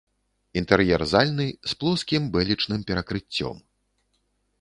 Інтэр'ер зальны з плоскім бэлечным перакрыццем.